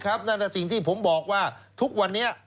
นั่นสิ่งที่ผมบอกว่าทุกวันนี้